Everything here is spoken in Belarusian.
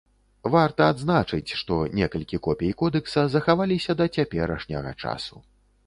Варта адзначыць, што некалькі копій кодэкса захаваліся да цяперашняга часу.